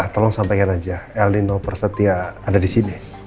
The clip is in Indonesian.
tolong sampaikan aja elin noh persetia ada di sini